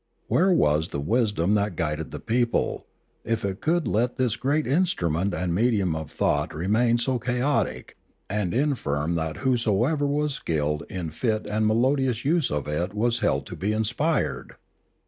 Where was the wisdom that guided the people, if it could let this greatest instrument and medium of thought remain so chaotic and infirm that whosoever was skilled in fit and melodious use of it was held to be inspired